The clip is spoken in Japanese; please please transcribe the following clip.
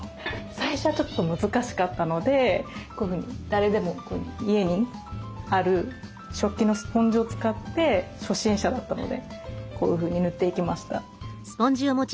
最初はちょっと難しかったのでこういうふうに誰でも家にある食器のスポンジを使って初心者だったのでこういうふうに塗っていきました。